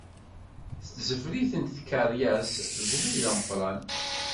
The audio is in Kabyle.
Ttzefritent tkeṛyas deg ubrid ameqqran.